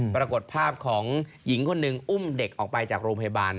ปรากฏภาพของหญิงคนหนึ่งอุ้มเด็กออกไปจากโรงพยาบาล